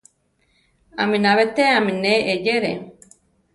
Aminá betéame ne eyéere.